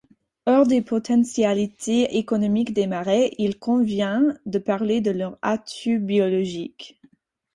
Hors des potentialités économiques des marais, il convient de parler de leurs atouts biologiques.